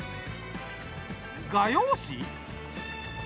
画用紙？